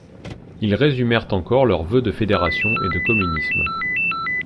Ils résumèrent encore leurs vœux de fédération et de communisme.